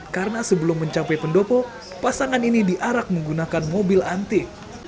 karena sebelum mencapai pendopo pasangan ini diarak menggunakan mobil antik